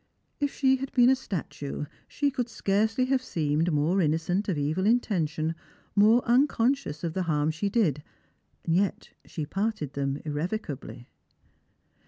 If she had been a statue, she could scarcely have seemed more innocent of evil intention, more un conscious of the harm she did ; yet she parted them irrevocably.